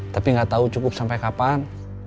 tapi gak tau cukup sampai kapan